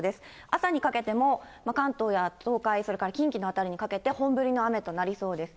朝にかけても関東や東海、それから近畿の辺りにかけて、本降りの雨となりそうです。